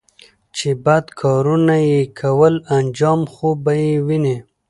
چې بد کارونه يې کول انجام خو به یې ویني